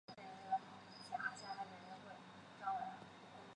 山内面是大韩民国庆尚北道庆州市下辖的一个面。